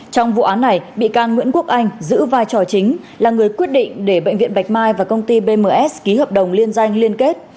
trong vụ án này bị can nguyễn quốc anh giữ vai trò chính là người quyết định để bệnh viện bạch mai và công ty bms ký hợp đồng liên danh liên kết